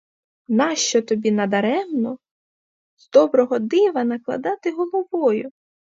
Нащо тобі надаремно, з доброго дива накладати головою?